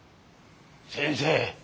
先生。